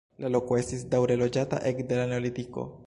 La loko estis daŭre loĝata ekde la neolitiko.